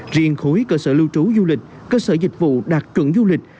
riêng khối cơ sở lưu trú du lịch cơ sở dịch vụ đạt chuẩn du lịch